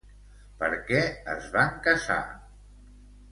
Per què es van casar?